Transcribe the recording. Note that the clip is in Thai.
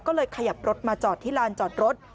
ก็เลยขยับรถมาจอดที่ลานจอดรถ